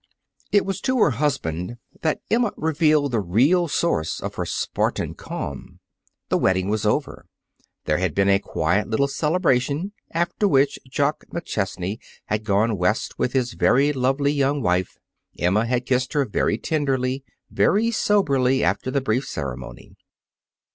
It was to her husband that Emma revealed the real source of her Spartan calm. The wedding was over. There had been a quiet little celebration, after which Jock McChesney had gone West with his very lovely young wife. Emma had kissed her very tenderly, very soberly after the brief ceremony.